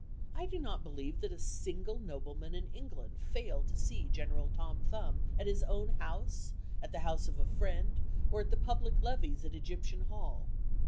I do not believe that a single nobleman in England failed to see General Tom Thumb at his own house, at the house of a friend, or at the public levees at Egyptian Hall.